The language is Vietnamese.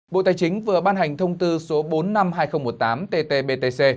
bộ tài chính vừa ban hành thông tư số bốn trăm năm mươi hai nghìn một mươi tám ttbtc